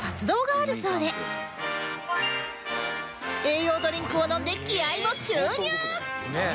栄養ドリンクを飲んで気合を注入！